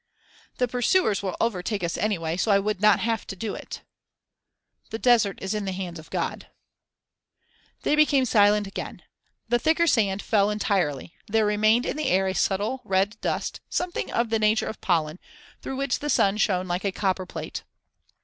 "The pursuers will overtake us anyway; so I would not have to do it." "The desert is in the hands of God." They became silent again. The thicker sand fell entirely; there remained in the air a subtile red dust, something of the nature of pollen, through which the sun shone like a copper plate.